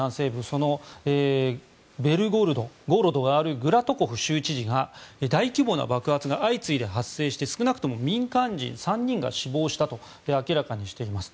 そのベルゴロドがあるグラトコフ州知事が大規模な爆発が相次いで発生して少なくとも民間人３人が死亡したと明らかにしています。